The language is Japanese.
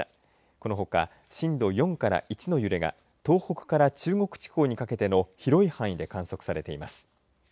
このほか震度４から１の揺れが東北から中国地方にかけての広い範囲で観測されています。